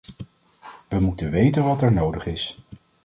We moeten weten wat er nodig is.